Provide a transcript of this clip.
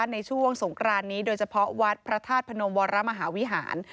ในช่วงสงครานนี้โดยเฉพาะวัดพระธาตุพนมวรมหาวิหาร